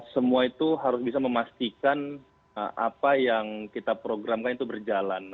semua itu harus bisa memastikan apa yang kita programkan itu berjalan